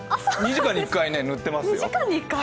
２時間に１回塗っていますよ。